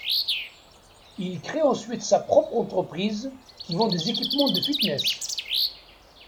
Il crée ensuite sa propre enterprise qui vend des équipements de fitness.